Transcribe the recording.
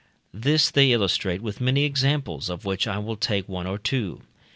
This they illustrate with many examples, of which I will take one or two.